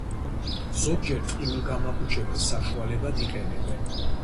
ზოგჯერ ტკივილგამაყუჩებელ საშუალებად იყენებენ.